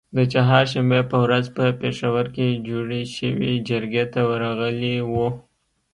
د چهارشنبې په ورځ په پیښور کې جوړی شوې جرګې ته ورغلي وو